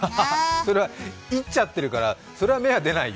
それは煎っちゃってるから、それは芽が出ないよ。